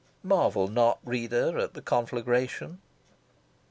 marvel not, reader, at the conflagration.